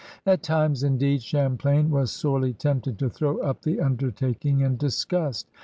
At times, indeed, Champlain was sorely tempted to throw up the undertaking in disgust.